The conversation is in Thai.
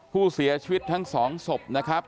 ผู้เสียชีวิตทั้งสองศพนะครับ